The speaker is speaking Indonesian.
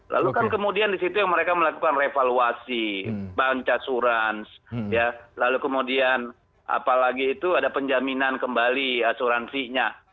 lalu kan kemudian di situ mereka melakukan revaluasi bank asurans lalu kemudian apalagi itu ada penjaminan kembali asuransinya